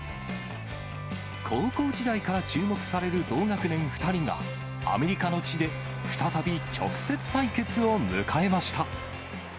高校時代から注目される同学年２人が、アメリカの地で再び直接対決を迎えました。